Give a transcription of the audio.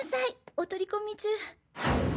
お取り込み中？